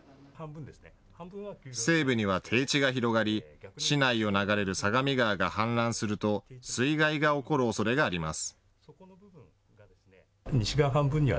西部には低地が広がり市内を流れる相模川が氾濫すると水害が起こるおそれがあります。